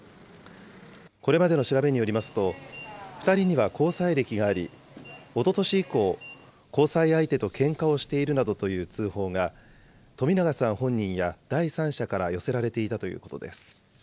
これまでの調べによりますと、２人には交際歴があり、おととし以降、交際相手とけんかをしているなどという通報が、冨永さん本人や、第三者から寄せられていたということです。